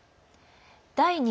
第２